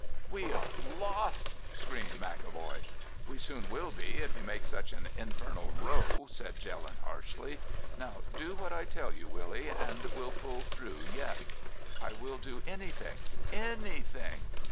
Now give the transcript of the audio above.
"'We are lost!' screamed McEvoy. "'We soon will be, if you make such an infernal row,' said Jelland harshly. 'Now do what I tell you, Willy, and we'll pull through yet.' "'I will do anything—anything.